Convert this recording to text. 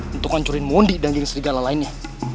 untuk hancurin mundi dan jenis regala lainnya